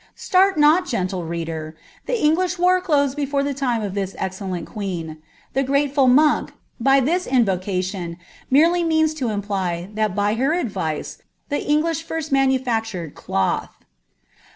Start not, gentle reader ; ilie English wore cloihca before the lime of tiu excellent queen ; the gntieful monk, by lliis invocation, merely anot to imply, that by her advice, ihc English first manufactured clolk.'